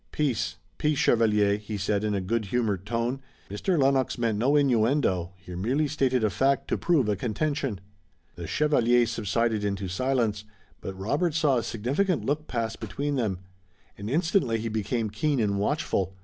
"Peace! Peace, chevalier!" he said in a good humored tone. "Mr. Lennox meant no innuendo. He merely stated a fact to prove a contention." The chevalier subsided into silence, but Robert saw a significant look pass between them, and instantly he became keen and watchful.